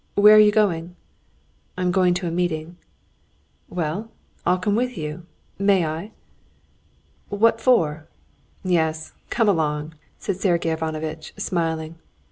"Where are you going?" "I'm going to a meeting." "Well, I'll come with you. May I?" "What for? Yes, come along," said Sergey Ivanovitch, smiling.